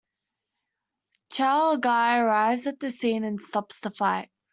Chao Gai arrives at the scene and stops the fight.